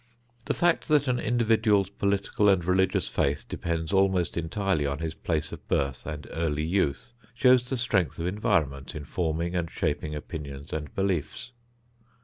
The fact that an individual's political and religious faith depends almost entirely on his place of birth and early youth, shows the strength of environment in forming and shaping opinions and beliefs.